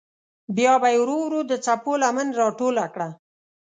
بیا به یې ورو ورو د څپو لمن راټوله کړه.